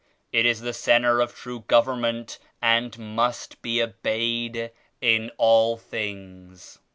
It is the centre of true government and must be obeyed in all things.